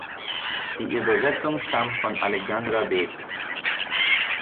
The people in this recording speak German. Die Übersetzung stammt von Alexandra Betz.